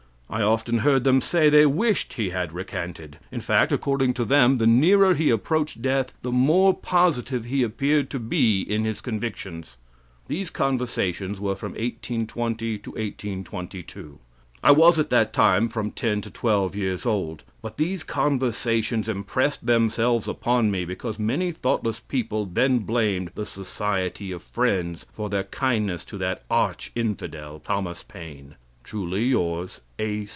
I often heard them say they wished he had recanted. In fact, according to them, the nearer he approached death the more positive he appeared to be in his convictions. These conversations were from 1820 to 1822. I was at that time from ten to twelve years old, but these conversations impressed themselves upon me because many thoughtless people then blamed the society of Friends for their kindness to that "arch infidel," Thomas Paine. Truly yours, A.